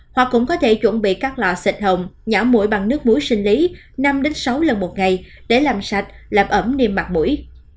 hoa cũng có thể chuẩn bị các loại xịt hồng nhỏ mũi bằng nước muối sinh lý năm sáu lần một ngày để làm sạch làm ẩm niệm mặt mũi